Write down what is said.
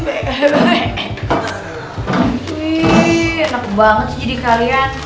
enak banget jadi kalian